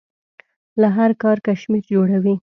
له هر کار کشمیر جوړوي.